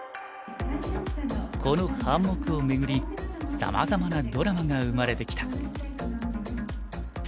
この半目を巡りさまざまなドラマが生まれてきた。